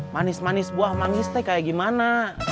manis manis buah manggis teh kayak gimana